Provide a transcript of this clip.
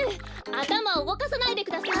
あたまをうごかさないでください！